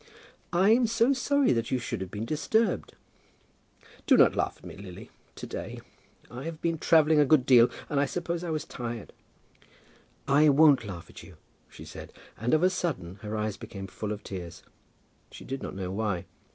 "I am so sorry that you should have been disturbed!" "Do not laugh at me, Lily, to day. I had been travelling a good deal, and I suppose I was tired." "I won't laugh at you," she said, and of a sudden her eyes became full of tears, she did not know why.